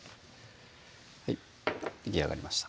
はいできあがりました